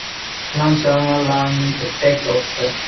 Lon Sernan Lon is a Tech officer.